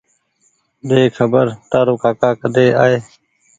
ۮي کبر تآرو ڪآڪآ ڪۮي آئي